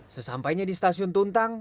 sesampainya di stasiun tungtang